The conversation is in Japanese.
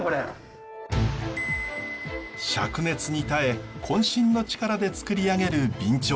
しゃく熱に耐えこん身の力でつくり上げる備長炭。